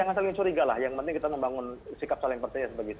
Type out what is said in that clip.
jangan saling curiga lah yang penting kita membangun sikap saling percaya